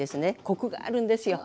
コクがあるんですよ